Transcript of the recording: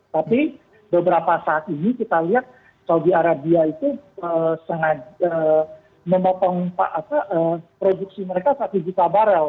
tapi beberapa saat ini kita lihat saudi arabia itu sengaja memotong produksi mereka satu juta barel